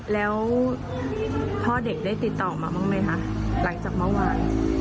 แล้วพ่อเด็กได้ติดต่อมาบ้างไหมคะหลังจากเมื่อวาน